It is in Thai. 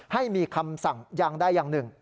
ให้มีคำสั่งอย่างใดอย่างหนึ่ง